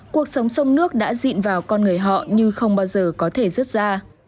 cuộc sống sông nước đã dịn vào con người họ như không bao giờ có thể rứt ra